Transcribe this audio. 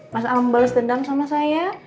mas al membalas dendam sama saya